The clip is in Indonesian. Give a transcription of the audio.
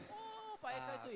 oh pak eka itu ya